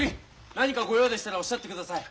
何かご用でしたらおっしゃってください。